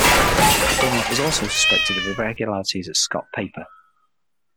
Dunlap was also suspected of irregularities at Scott Paper.